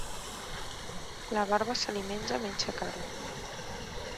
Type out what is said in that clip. La barba se li menja mitja cara.